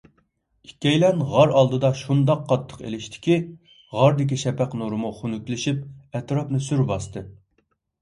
ئىككىيلەن غار ئالدىدا شۇنداق قاتتىق ئېلىشتىكى، غاردىكى شەپەق نۇرىمۇ خۇنۈكلىشىپ، ئەتراپنى سۈر باستى.